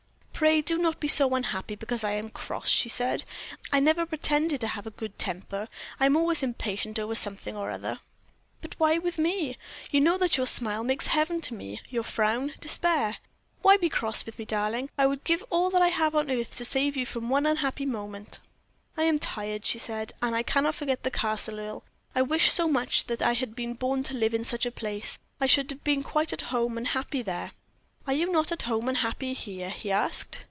"Pray do not be so unhappy because I am cross," she said. "I never pretended to have a good temper. I am always impatient over something or other." "But why with me? You know that your smile makes heaven to me: your frown, despair. Why be cross with me, darling? I would give all I have on earth to save you from one unhappy moment." "I am tired," she said, "and I cannot forget the Castle, Earle. I wish so much that I had been born to live in such a place; I should have been quite at home and happy there." "Are you not at home and happy here?" he asked.